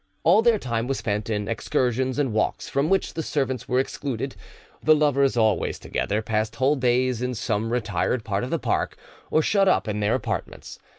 All their time was spent in excursions and walks from, which the servants were excluded; the lovers, always together, passed whole days in some retired part of the park, or shut up in their apartments.